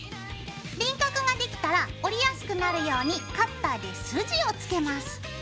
輪郭ができたら折りやすくなるようにカッターで筋をつけます。